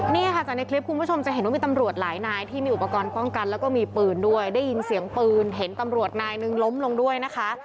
นี่ค่ะจากในคลิปคุณผู้ชมจะเห็นว่ามีตำรวจหลายนายที่มีอุปกรณ์ป้องกันแล้วก็มีปืนด้วยได้ยินเสียงปืนเห็นตำรวจนายหนึ่งล้มลงด้วยนะคะ